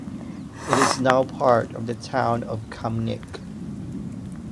It is now part of the town of Kamnik.